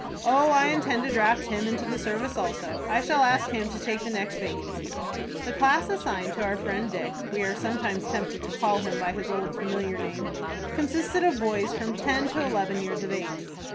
"Oh, I intend to draft him into the service also. I shall ask him to take the next vacancy." The class assigned to our friend Dick (we are sometimes tempted to call him by his old, familiar name) consisted of boys of from ten to eleven years of age.